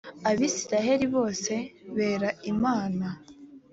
abisirayeli bose bera imana.